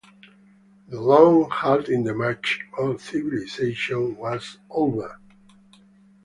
The long halt in the march of civilization was over.